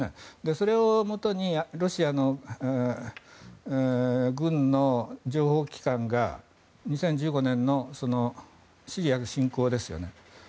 それをもとにロシア軍の情報機関が２０１５年のシリア侵攻ですよね。